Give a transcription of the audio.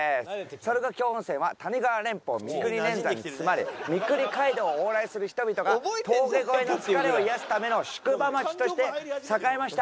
猿ヶ京温泉は谷川連峰三国連山に包まれ三国街道を往来する人々が峠越えの疲れを癒やすための宿場町として栄えました。